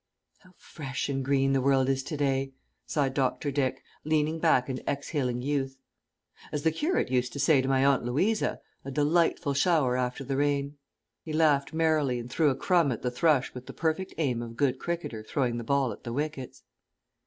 "How fresh and green the world is to day," sighed Dr. Dick, leaning back and exhaling youth. "As the curate used to say to my Aunt Louisa, 'A delightful shower after the rain.'" He laughed merrily, and threw a crumb at the thrush with the perfect aim of a good cricketer throwing the ball at the wickets.